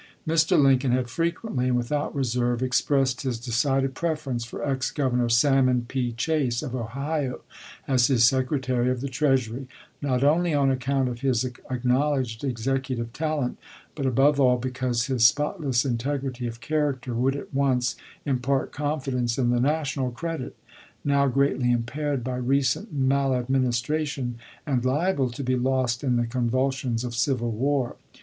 Mr. Lincoln had frequently and with out reserve expressed his decided preference for ex Grovernor Salmon P. Chase, of Ohio, as his Secre tary of the Treasury, not only on account of his ac knowledged executive talent, but above all because his spotless integrity of character would at once impart confidence in the national credit, now greatly impaired by recent maladministration and liable to be lost in the convulsions of civil war.